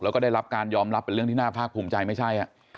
แล้วก็ได้รับการยอมรับเป็นเรื่องที่น่าภาคภูมิใจไม่ใช่